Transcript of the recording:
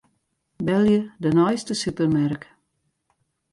Belje de neiste supermerk.